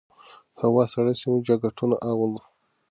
که هوا سړه شي، موږ جاکټونه اغوندو.